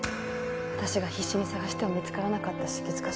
私が必死に探しても見つからなかった出血箇所